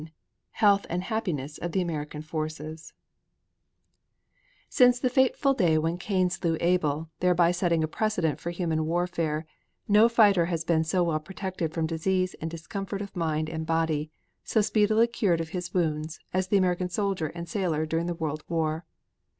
CHAPTER XLIX HEALTH AND HAPPINESS OF THE AMERICAN FORCES Since the fateful day when Cain slew Abel, thereby setting a precedent for human warfare, no fighter has been so well protected from disease and discomfort of mind and body, so speedily cured of his wounds, as the American soldier and sailor during the World War.